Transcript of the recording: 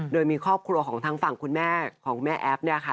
โดยมีครอบครัวของทางฝั่งคุณแม่ของแม่แอฟเนี่ยค่ะ